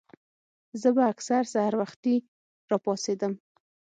زۀ به اکثر سحر وختي راپاسېدم